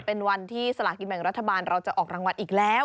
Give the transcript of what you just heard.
เป็นวันที่สลากินแบ่งรัฐบาลเราจะออกรางวัลอีกแล้ว